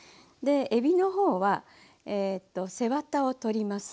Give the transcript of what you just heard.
えびの方は背ワタを取ります。